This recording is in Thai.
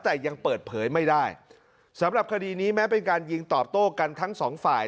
แต่ยังเปิดเผยไม่ได้สำหรับคดีนี้แม้เป็นการยิงตอบโต้กันทั้งสองฝ่าย